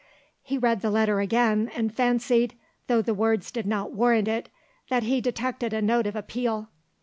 He read the letter again and fancied, though the words did not warrant it, that he detected a note of appeal.